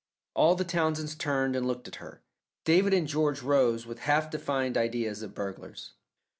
All the Townsends turned and looked at her. David and George rose with a half defined idea of burglars.